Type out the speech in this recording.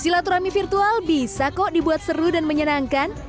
silaturahmi virtual bisa kok dibuat seru dan menyenangkan